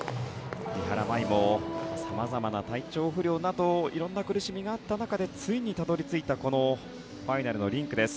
三原舞依もさまざまな体調不良などいろいろな苦しみがあった中でついにたどり着いたファイナルのリンクです。